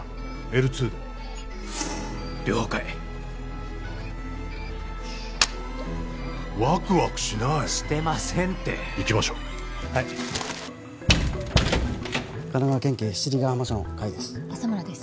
Ｌ２で了解イタッワクワクしないしてませんって行きましょうはい神奈川県警七里ヶ浜署の甲斐です浅村です